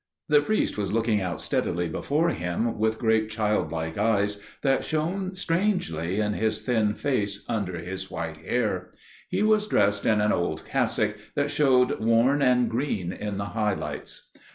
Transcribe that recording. The priest was looking out steadily before him with great childlike eyes that shone strangely in his thin face under his white hair. He was dressed in an old cassock that showed worn and green in the high lights.